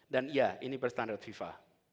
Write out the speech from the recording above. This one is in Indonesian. dan iya ini berstandard fifa